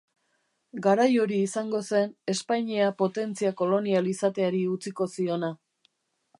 Garai hori izango zen Espainia potentzia kolonial izateari utziko ziona.